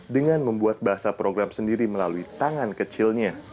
dengan membuat bahasa program sendiri melalui tangan kecilnya